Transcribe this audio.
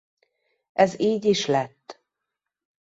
Ez így is lett.